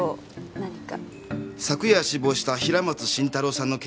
何か？